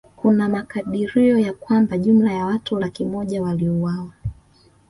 Kuna makadirio ya kwamba jumla ya watu laki moja waliuawa